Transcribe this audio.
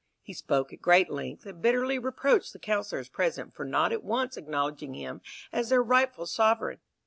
He spoke at great length, and bitterly reproached the counsellors present for not at once acknowledging him as their rightful sovereign.